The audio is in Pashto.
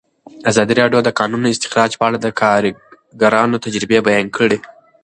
ازادي راډیو د د کانونو استخراج په اړه د کارګرانو تجربې بیان کړي.